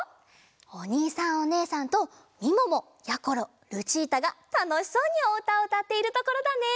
おにいさんおねえさんとみももやころルチータがたのしそうにおうたをうたっているところだね。